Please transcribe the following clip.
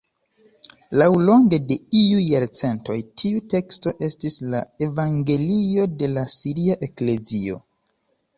Laŭlonge de iuj jarcentoj tiu teksto estis la evangelio de la siria eklezio.